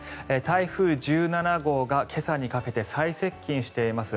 台風１７号が今朝にかけて再接近しています。